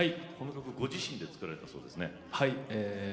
ご自身で作られたそうですね。